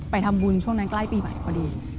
ไปทำบุญช่วงนั้นใกล้ปีใหม่พอดี